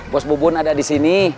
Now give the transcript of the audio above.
bos bubun ada di sini